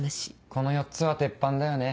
この４つは鉄板だよね。